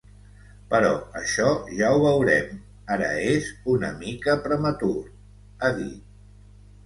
“Però això ja ho veurem, ara és una mica prematur”, ha dit.